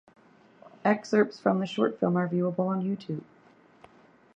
Excerpts from the short film are viewable on YouTube.